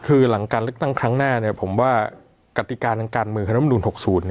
คือหลังการเลือกตั้งครั้งหน้าผมว่ากติกาทางการเมืองคณะมนุน๖๐